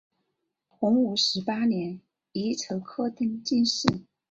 洪武十八年乙丑科登进士。